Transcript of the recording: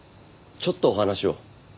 ちょっとお話を。